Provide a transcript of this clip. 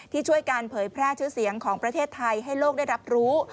ช่วยการเผยแพร่ชื่อเสียงของประเทศไทยให้โลกได้รับรู้